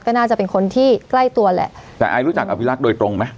ก็น่าจะเป็นคนที่ใกล้ตัวแหละแต่ไอรู้จักอภิรักษ์โดยตรงไหม